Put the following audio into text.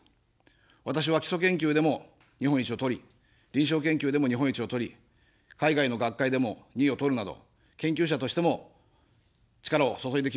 私は基礎研究でも日本一をとり、臨床研究でも日本一をとり、海外の学会でも２位をとるなど研究者としても力を注いできました。